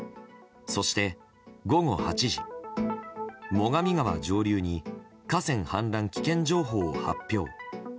そして午後８時最上川上流に河川氾濫危険情報を発表。